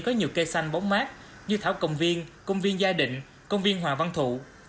có nhiều cây xanh bóng mát như thảo công viên công viên gia định công viên hòa văn thụ